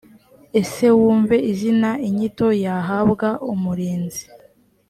ese wumve izina inyito y ahabwa umurinzi